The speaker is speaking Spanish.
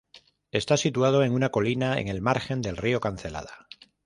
Está situado en una colina en el margen del río Cancelada.